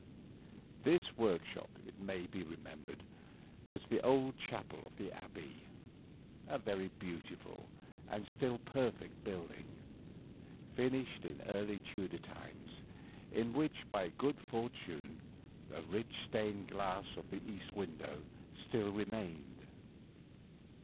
This workshop, it may be remembered, was the old chapel of the Abbey, a very beautiful and still perfect building, finished in early Tudor times, in which, by good fortune, the rich stained glass of the east window still remained.